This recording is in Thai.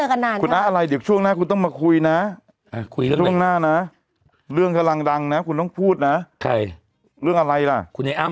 มันปืนเจอดูแลเส้นผมและหนังศีรษะไลโอ